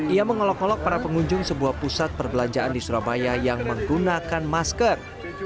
ia mengolok ngolok para pengunjung sebuah pusat perbelanjaan di surabaya yang menggunakan masker